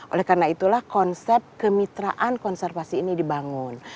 oleh karena itulah konsep kemitraan konservasi ini dibangun